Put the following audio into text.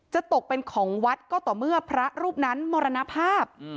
ตกเป็นของวัดก็ต่อเมื่อพระรูปนั้นมรณภาพ